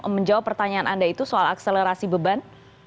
menjawab pertanyaan anda itu soal akselerasi beban